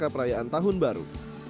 perayaan tahun baru